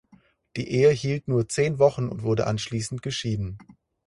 Die Ehe hielt nur zehn Wochen und wurde anschließend geschieden.